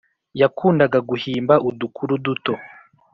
Yakundaga guhimba udukuru duto